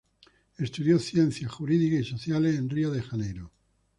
Estudió ciencias jurídicas y sociales en Río de Janeiro.